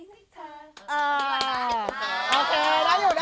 ไม่ชอบให้ขาด